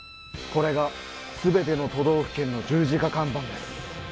これが全ての都道府県の十字架看板です